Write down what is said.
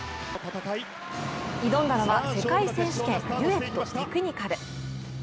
挑んだのは世界選手権、デュエット・テクニカル。